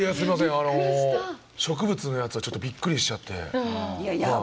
あの植物のやつはちょっとびっくりしちゃって。